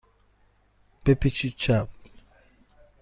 بپیچید چپ.